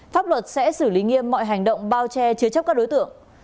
pháp luật sẽ xử lý nghiêm mọi hành động bao che chứa chấp các đối tượng